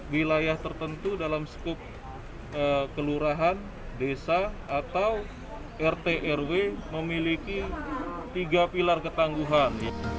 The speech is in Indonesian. wilayah tertentu dalam skup kelurahan desa atau rt rw memiliki tiga pilar ketangguhan